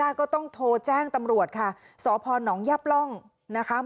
ก็ต้องโทรแจ้งตำรวจค่ะสพนยับร่องนะคะ